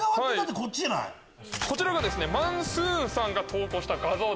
こちらマンスーンさんが投稿した画像。